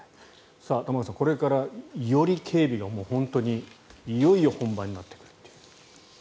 玉川さん、これからより警備がもう本当に、いよいよ本番になってくるという。